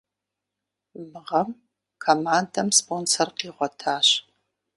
Мы гъэм командэм спонсор къигъуэтащ.